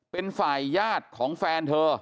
เป็นฝ่ายญาติของแฟนเธอ